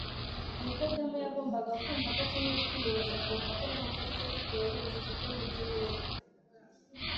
, Nikodemo yagombaga kumva ko akeneye kwiyoroshya akumva ko ntacyo aricyo, bitewe n’ubujiji bwe mu by’umwuka.